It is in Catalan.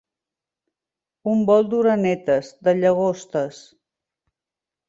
Un vol d'orenetes, de llagostes.